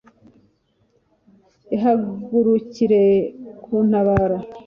ihagurukire kuntabara